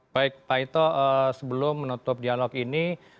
baik pak ito sebelum menutup dialog ini